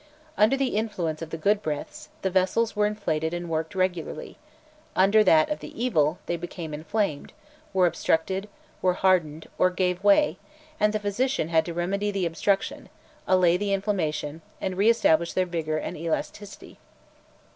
Under the influence of the good breaths, the vessels were inflated and worked regularly; under that of the evil, they became inflamed, were obstructed, were hardened, or gave way, and the physician had to remove the obstruction, allay the inflammation, and re establish their vigour and elasticity.